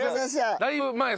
だいぶ前。